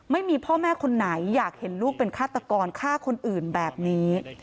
ไม่มีพ่อแม่คนไหนอยากเห็นลูกเป็นฆาตกรฆ่าคนอื่นแบบนี้